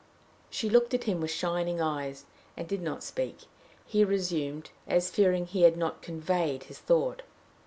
She looked at him with shining eyes, and did not speak. He resumed, as fearing he had not conveyed his thought.